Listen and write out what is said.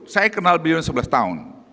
saya kenal bion sebelas tahun